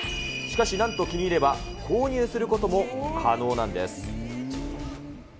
しかし、なんと気に入れば購入することも可能なんです。